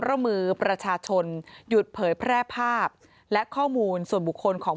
ร่วมมือประชาชนหยุดเผยแพร่ภาพและข้อมูลส่วนบุคคลของ